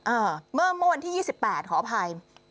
เมื่อเมื่อวันที่๒๘ขออภัย